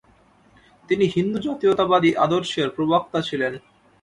তিনি হিন্দু জাতীয়তাবাদী আদর্শের প্রবক্তা ছিলেন।